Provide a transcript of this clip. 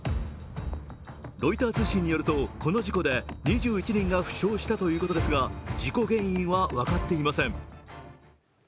ロイター通信によるとこの事故で２１人が負傷したということですが事故原因は分かっていません。